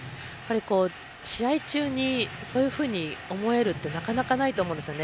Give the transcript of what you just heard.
試合中にそういうふうに思えるってなかなかないと思うんですよね。